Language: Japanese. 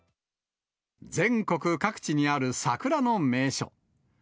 全国各地にある桜の名所。